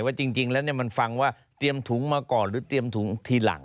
ว่าจริงแล้วมันฟังว่าเตรียมถุงมาก่อนหรือเตรียมถุงทีหลัง